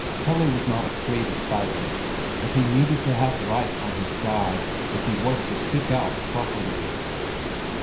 Pelle was not afraid of fighting, but he needed to have right on his side, if he was to kick out properly.